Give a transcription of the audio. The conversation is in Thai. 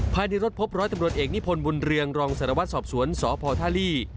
ภายในรถพบร้อยตำรวจเอกนิพนธ์บุญเรืองรองสารวัตรสอบสวนสพท่าลี่